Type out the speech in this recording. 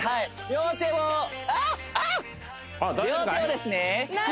両手をですねああ